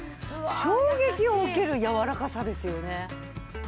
衝撃を受けるやわらかさですよね。